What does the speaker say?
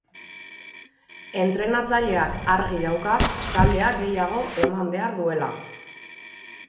Entrenatzaileak argi dauka taldeak gehiago eman behar duela.